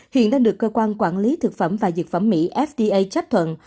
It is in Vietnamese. hiện đang được cơ quan quản lý thực phẩm và dược phẩm mỹ fda chấp thuận